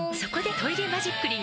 「トイレマジックリン」